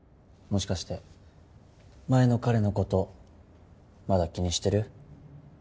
もしかして前の彼のことまだ気にしてる？